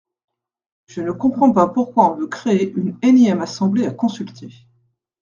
Je ne comprends pas pourquoi on veut créer une énième assemblée à consulter.